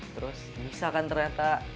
terus bisa kan ternyata